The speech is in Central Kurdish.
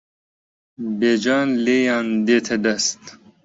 بێجان لێیان دێتە دەست